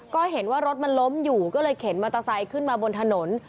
ก็เห็นว่ารถมันล้มอยู่ก็เลยเข็นมอเตอร์ไซค์ขึ้นมาบนถนน